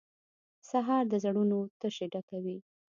سهار د زړونو تشې ډکوي.